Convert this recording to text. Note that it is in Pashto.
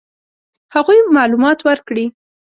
هغوی معلومات ورکړي.